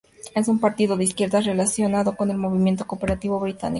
Es un partido de izquierdas relacionado con el movimiento cooperativo británico.